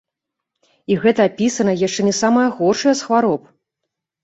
І гэта апісаная яшчэ не самая горшая з хвароб!